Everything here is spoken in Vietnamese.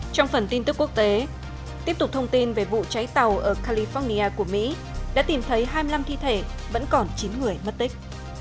trong phần tin tức quốc tế tiếp tục thông tin về vụ cháy tàu ở california của mỹ đã tìm thấy hai mươi năm thi thể vẫn còn chín người mất tích